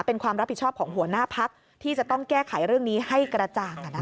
เป็นความรับผิดชอบของหัวหน้าพักที่จะต้องแก้ไขเรื่องนี้ให้กระจ่าง